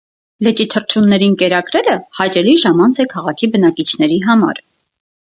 Լճի թռչուններին կերակրելը հաճելի ժամանց է քաղաքի բնակիչների համար։